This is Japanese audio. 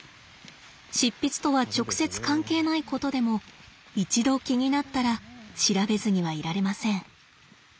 執筆とは直接関係ないことでも一度気になったら調べずにはいられません。